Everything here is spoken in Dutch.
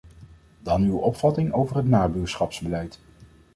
Dan uw opvatting over het nabuurschapsbeleid.